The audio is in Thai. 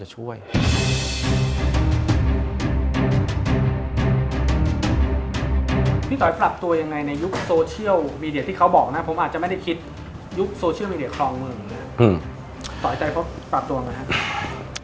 ไหนในยุคโซเชียลมีเดียที่เขาบอกนะผมอาจจะไม่ได้คิดยุคโซเชียลมีเดียคองเมืองตอดใจก็ฝากตัวหรือ